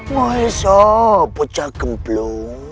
maesah pecah kemblo